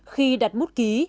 khi đặt mút ký